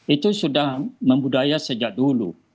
itu sudah membudaya sejak dulu